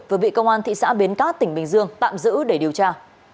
vừa bị công an thị xã bến cát tỉnh bình dương tạm giữ để điều tra